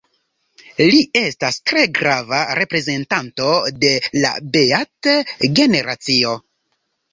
Li estas tre grava reprezentanto de la Beat-generacio.